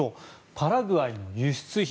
パラグアイの輸出品